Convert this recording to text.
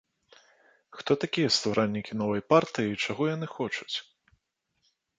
Хто такія стваральнікі новай партыі, і чаго яны хочуць?